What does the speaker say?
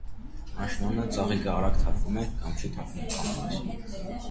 Աշնանը ծաղիկը արագ թափվում է կամ չի թափվում ընդհանրապես։